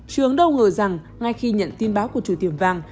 trường đâu ngờ rằng ngay khi nhận tin báo của chủ tiệm vàng